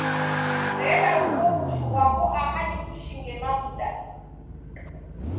Reda ugho w'ushu ghwako aha nikushinge mavuda